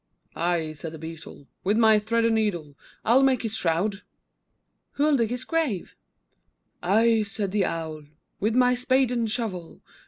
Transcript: I, said the Beetle, With my thread and needle. I'll make his shroud. Who'll dig his grave? I, said the Owl, With my spade and shovel.